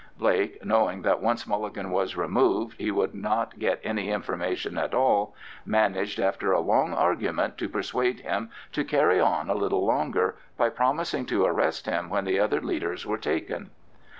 Blake, knowing that once Mulligan was removed, he would not get any information at all, managed after a long argument to persuade him to carry on a little longer, by promising to arrest him when the other leaders were taken.